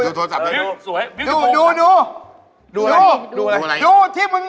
เฮ้ยพี่เชื่อใจกันน่ะ